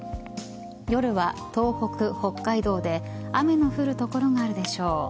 夜は東北、北海道で雨の降る所があるでしょう。